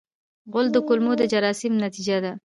غول د کولمو د جراثیم نتیجه ده.